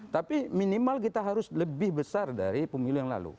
tapi minimal kita harus lebih besar dari pemilu yang lalu